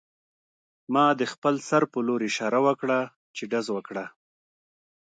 ما د خپل سر په لور اشاره وکړه چې ډز وکړه